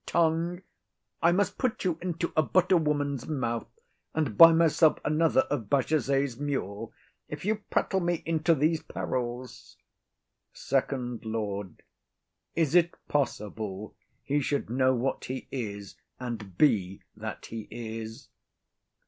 Tongue, I must put you into a butter woman's mouth, and buy myself another of Bajazet's mule, if you prattle me into these perils. FIRST LORD. [Aside.] Is it possible he should know what he is, and be that he is?